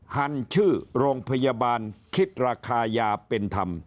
หันชื่อโรงพยาบาลคิดราคายาเป็นธรรม